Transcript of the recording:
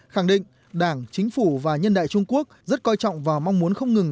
khẳng định đảng chính phủ và nhân đại trung quốc rất coi trọng và mong muốn không ngừng